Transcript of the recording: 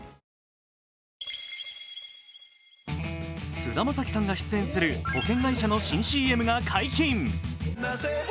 菅田将暉さんが出演する保険会社の新ＣＭが解禁。